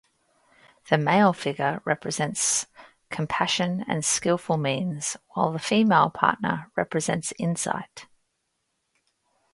The male figure represents compassion and skillful means, while the female partner represents insight.